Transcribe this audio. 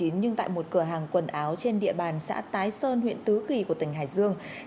nhưng tại một cửa hàng quần áo trên địa bàn xã tái sơn huyện tứ kỳ của tỉnh hải dương